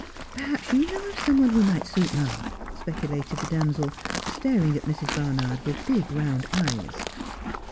Perhaps you know of some one who might suit ma 1 ' specu lated the damsel, staring at Mrs. Barnard with big round eyes.